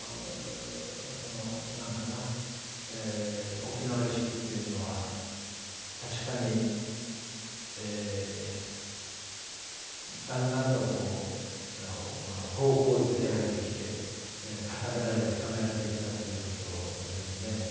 そのなんかな沖縄意識っていうのは確かにだんだんと方向付けられてきて固められ深められてきたということですね。